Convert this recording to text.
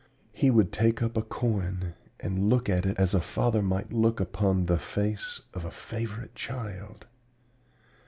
"He would take up a coin and look at it as a father might look upon the face of a favorite child.